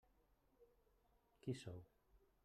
Qui sou?